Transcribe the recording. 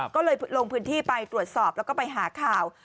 ก็เลยลงพื้นที่ไปตรวจสอบแล้วก็ไปหาข่าว